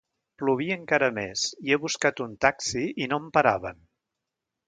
Plovia encara més i he buscat un taxi i no em paraven...